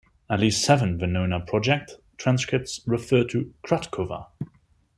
At least seven Venona project transcripts refer to Kratkova.